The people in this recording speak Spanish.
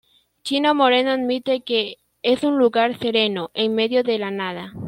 Chino Moreno admite que "es un lugar sereno, en medio de la nada".